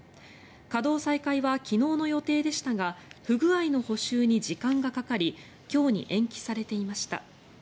稼働再開は昨日の予定でしたが不具合の補修に時間がかかり今日に延期されていました。